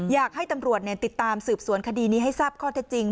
อยากให้ตำรวจติดตามสืบสวนคดีนี้ให้ทราบข้อเท็จจริง